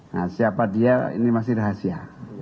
nah siapa dia ini masih rahasia